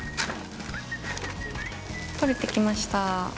取れてきました。